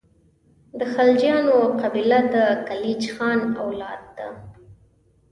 د خلجیانو قبیله د کلیج خان اولاد ده.